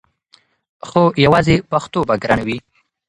خو یواځې پښتو به ګرانه وي!